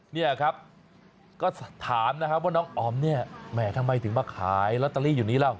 เนี่ยครับก็ถามนะครับว่าน้องอ๋อมเนี่ยแหมทำไมถึงมาขายลอตเตอรี่อยู่นี้แล้ว